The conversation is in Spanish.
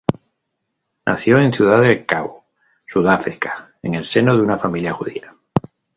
Nació en Ciudad de Cabo, Sudáfrica, en el seno de una familia judía.